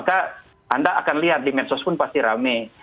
anda akan lihat di medsos pun pasti ramai